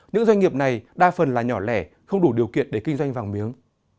những doanh nghiệp này đa phần là nhỏ lẻ không đủ điều kiện để kinh doanh vàng miếng